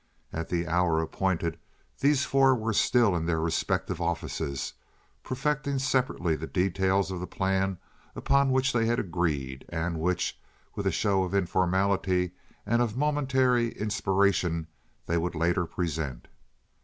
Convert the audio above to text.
At the hour appointed these four were still in their respective offices, perfecting separately the details of the plan upon which they had agreed and which, with a show of informality and of momentary inspiration, they would later present.